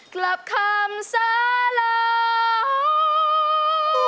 กลับคำสารา